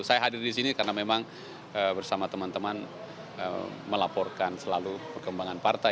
saya hadir di sini karena memang bersama teman teman melaporkan selalu perkembangan partai